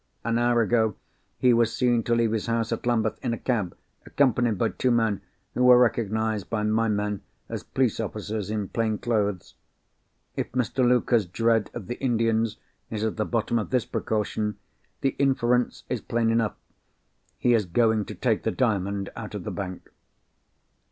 "An hour ago, he was seen to leave his house at Lambeth, in a cab, accompanied by two men, who were recognised by my men as police officers in plain clothes. If Mr. Luker's dread of the Indians is at the bottom of this precaution, the inference is plain enough. He is going to take the Diamond out of the bank."